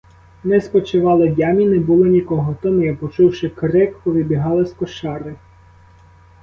Ми спочивали, в ямі не було нікого, то ми, почувши крик, повибігали з кошари.